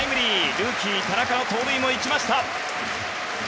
ルーキー、田中の盗塁も生きました。